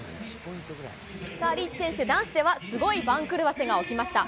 さあリーチ選手、男子ではすごい番狂わせが起きました。